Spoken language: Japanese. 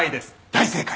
大正解！